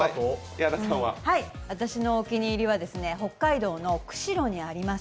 私のお気に入りは北海道の釧路にあります